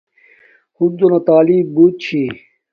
ہنزو نا تعیلم بوت چھی